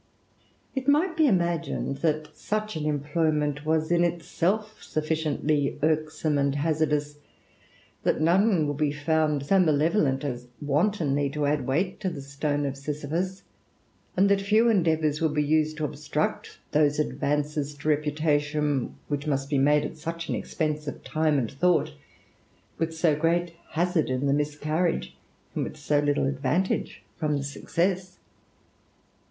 It might be imagined that such an employment was in itself sufficiently irksome and hazardous ; that none would be found so malevolent as wantonly to add weight to the stone of Sisyphus ; and that few endeavours would be used to obstruct those advances to reputation, which must be THE RAMJ3LER. 9 uch an expense of time and thought, with so great the miscarriage, and with so little advantage from IS.